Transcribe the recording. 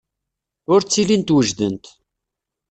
Ur ttilint wejdent.